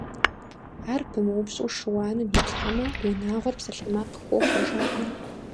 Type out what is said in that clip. Ар пумыупщӀыу шыуаным иплъхьэмэ, унагъуэр псалъэмакъ хохуэ жаӀэ.